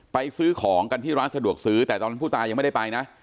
ซื้อของกันที่ร้านสะดวกซื้อแต่ตอนนั้นผู้ตายยังไม่ได้ไปนะ